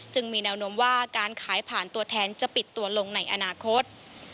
มีแนวโน้มว่าการขายผ่านตัวแทนจะปิดตัวลงในอนาคต